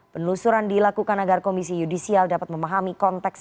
penelusuran dilakukan agar komisi yudisial dapat memahami konteks